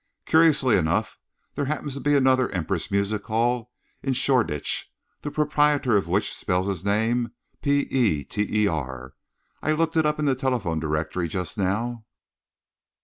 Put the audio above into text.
"Curiously enough, there happens to be another Empress Music Hall in Shoreditch, the proprietor of which spells his name P e t e r. I looked it up in the telephone directory just now."